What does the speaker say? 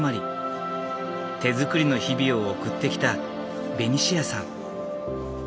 手づくりの日々を送ってきたベニシアさん。